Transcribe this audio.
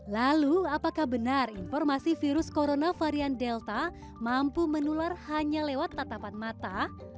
lalu apakah benar informasi virus corona varian delta mampu menular hanya lewat tatapan mata